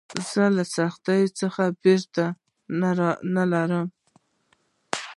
زه له سختیو څخه بېره نه لرم.